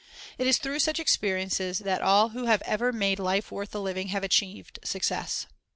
It is through such experiences that all who have ever made life worth the living have achieved success.